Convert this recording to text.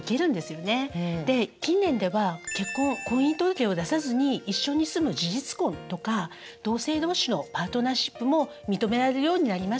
で近年では結婚婚姻届を出さずに一緒に住む事実婚とか同性同士のパートナーシップも認められるようになりました。